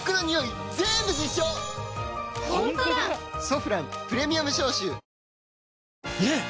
「ソフランプレミアム消臭」ねえ‼